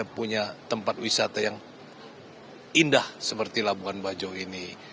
kita juga akan memiliki tempat wisata yang indah seperti labuan bajo ini